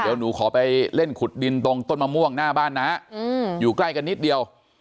เดี๋ยวหนูขอไปเล่นขุดดินตรงต้นมะม่วงหน้าบ้านน้าอยู่ใกล้กันนิดเดียว